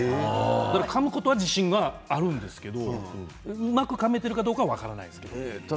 かむことは自信があるんですけれどうまくかめているかどうかは分かりません。